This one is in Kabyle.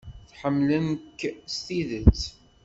Ḥemmlen-k s tidet.